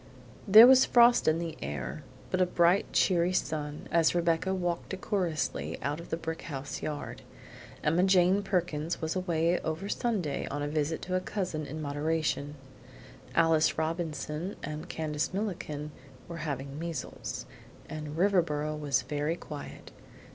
There was frost in the air, but a bright cheery sun, as Rebecca walked decorously out of the brick house yard. Emma Jane Perkins was away over Sunday on a visit to a cousin in Moderation; Alice Robinson and Candace Milliken were having measles, and Riverboro was very quiet.